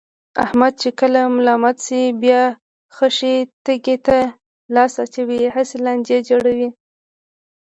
احمد چې کله ملامت شي، بیا خښې تیګې ته لاس اچوي، هسې لانجې جوړوي.